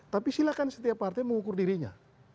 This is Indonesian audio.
tapi silakan setiap partai mengukur dirinya